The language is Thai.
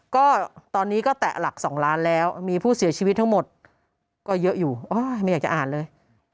ก็ตอนนี้ก็แตะหลัก๒ล้านแล้วมีผู้เสียชีวิตทั้งหมดก็เยอะอยู่ไม่อยากจะอ่านเลย